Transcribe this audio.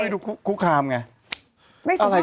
อะไรคือขอบคุณครับแล้วทำไมต้องคุกคาม